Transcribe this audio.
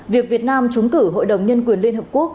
việc việt nam trúng cử hội đồng nhân quyền liên hợp quốc